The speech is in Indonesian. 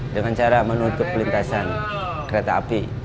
dengan cara menutup lintasan kereta api